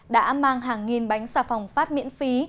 đã mang hàng nghìn bánh xà phòng phát miễn phí